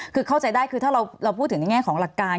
คือเข้าใจได้คือถ้าเราพูดถึงในแง่ของหลักการ